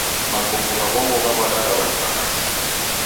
Makongo gha w'ongo ghaw'adagha w'andu w'alazi.